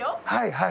はい。